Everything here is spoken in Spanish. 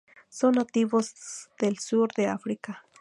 Son nativos del sur de África.